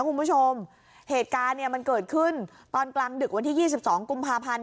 คุณผู้ชมเหตุการณ์เนี่ยมันเกิดขึ้นตอนกลางดึกวันที่๒๒กุมภาพันธ์